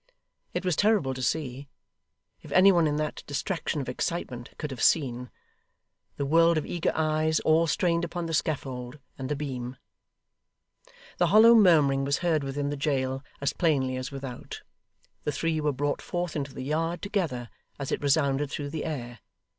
It was terrible to see if any one in that distraction of excitement could have seen the world of eager eyes, all strained upon the scaffold and the beam. The hollow murmuring was heard within the jail as plainly as without. The three were brought forth into the yard, together, as it resounded through the air.